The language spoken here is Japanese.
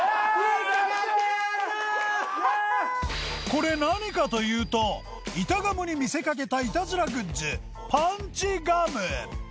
これ何かというと板ガムに見せかけたイタズラグッズパンチガム